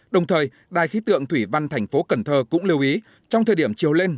đồng thời đài khí tượng thủy văn thành phố cần thơ cũng lưu ý trong thời điểm chiều lên